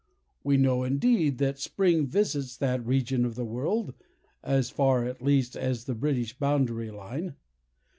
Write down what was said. We know, indeed, that spring visits that region of the world—as far, at least, as the British boundary line.